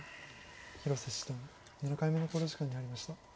広瀬七段７回目の考慮時間に入りました。